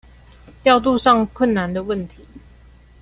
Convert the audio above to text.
調度上困難的問題